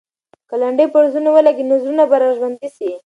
که لنډۍ پر زړونو ولګي، نو زړونه به راژوندي سي.